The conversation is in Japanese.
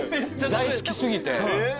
大好き過ぎて。